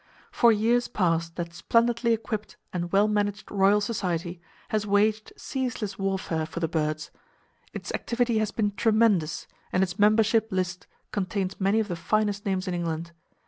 For years past that splendidly equipped and well managed Royal Society has waged [Page 136] ceaseless warfare for the birds. Its activity has been tremendous, and its membership list contains many of the finest names in England.